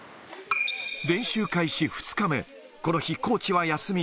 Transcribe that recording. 練習開始２日目、この日、コーチは休み。